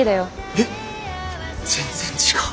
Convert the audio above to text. えっ全然違う。